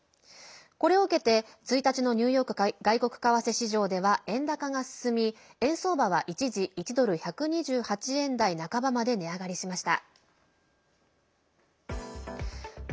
これを受けて、１日のニューヨーク外国為替市場では円高が進み、円相場は一時１ドル＝１２８円台半ばまで値上がりしました。